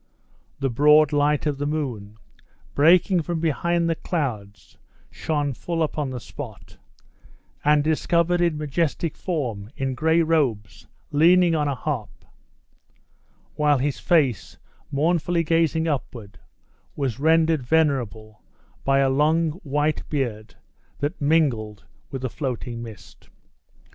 The broad light of the moon, breaking from behind the clouds, shone full upon the spot, and discovered a majestic form in gray robes, leaning on a harp; while his face, mournfully gazing upward, was rendered venerable by a long white beard that mingled with the floating mist.